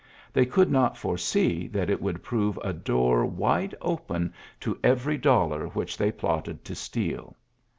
They could not foresee that it would prove a door wide open to every dollar which they plotted to steal.